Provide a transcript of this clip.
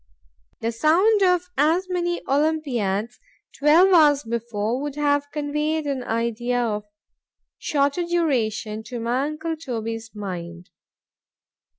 The sound of as many Olympiads, twelve hours before, would have conveyed an idea of shorter duration to my uncle Toby's mind.